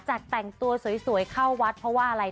แต่งตัวสวยเข้าวัดเพราะว่าอะไร